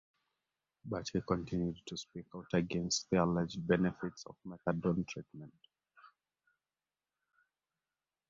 But he continued to speak out against the alleged benefits of Methadone treatment.